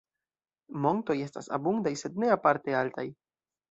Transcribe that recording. Montoj estas abundaj sed ne aparte altaj.